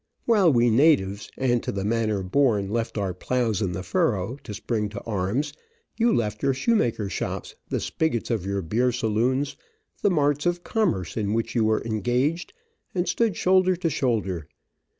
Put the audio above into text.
While we natives, and to the manor born, left our plows in the furrow, to spring to arms, you left your shoemaker shops, the spigots of your beer saloons, the marts of commerce in which you were engaged, and stood shoulder to shoulder.